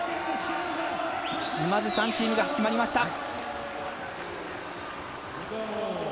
まず３チームが決まりました。